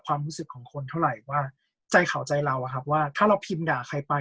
ความรู้สึกของคนเท่าไหร่ว่าใจเขาใจเราอะครับว่าถ้าเราพิมพ์ด่าใครไป